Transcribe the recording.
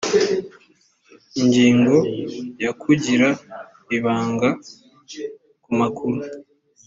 ingingo ya kugira ibanga ku makuru